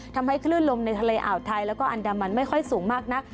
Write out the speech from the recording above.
ทำให้คลื่นลมในทะเลอ่าวไทยแล้วก็อันดามันไม่ค่อยสูงมากนัก